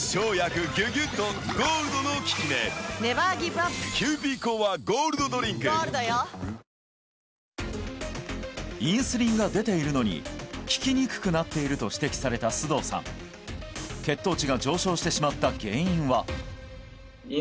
さらに今日からできるインスリンが出ているのに効きにくくなっていると指摘された須藤さん血糖値が上昇してしまった原因は？